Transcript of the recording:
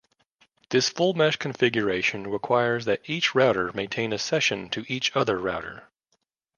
This full-mesh configuration requires that each router maintain a session to every other router.